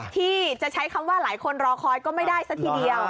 ที่จะใช้คำว่าหลายคนรอคอยก็ไม่ได้ซะทีเดียว